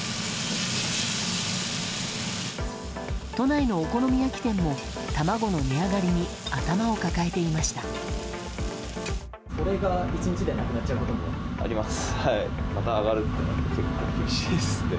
都内のお好み焼き店も卵の値上がりに頭を抱えていました。